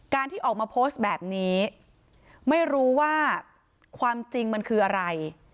ที่ออกมาโพสต์แบบนี้ไม่รู้ว่าความจริงมันคืออะไร